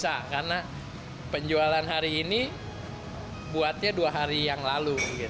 itu udah gak bisa karena penjualan hari ini buatnya dua hari yang lalu